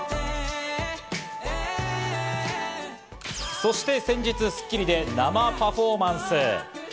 そして先日、『スッキリ』で生パフォーマンス。